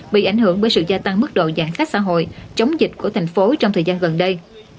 bị ảnh hưởng bởi sự gia tăng mức độ giãn cách xã hội chống dịch của thành phố trong thời gian gần đây